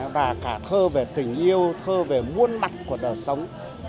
và cả thơ về tình yêu thơ về muôn mặt của đời sống